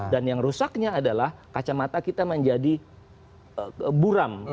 dan yang rusaknya adalah kacamata kita menjadi buram